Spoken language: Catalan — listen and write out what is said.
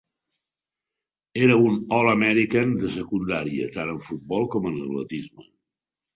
Era un All-American de secundària tant en futbol com en atletisme.